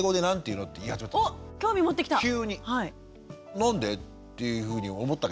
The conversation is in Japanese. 何で？っていうふうに思ったけど。